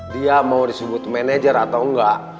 dia mau disebut manajer atau enggak